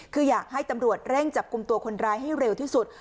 คืออยากให้ตำรวจเร่งจับกลุ่มตัวคนร้ายให้เร็วที่สุด